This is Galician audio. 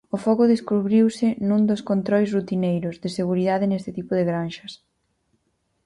O foco descubriuse nun dos controis rutineiros de seguridade neste tipo de granxas.